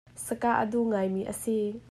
Sakah a duh ngaimi a si.